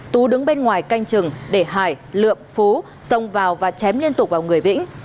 tú đứng bên ngoài canh chừng để hải lượm phú xông vào và chém liên tục vào người vĩnh